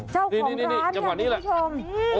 เจ้าของร้านอย่างนี้ด้วยชม